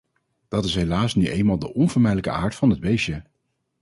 Dat is helaas nu eenmaal de onvermijdelijke aard van het beestje.